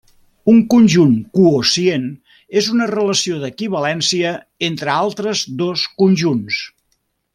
Un conjunt quocient és una relació d'equivalència entre altres dos conjunts.